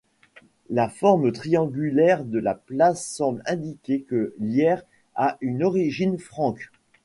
La forme triangulaire de la place semble indiquer que Lierre a une origine franque.